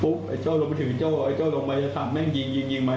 ปุ๊ปไอ้เจ้าลงมาถึงไอ้เจ้าลงมายาธรรมแหม่งยิงมา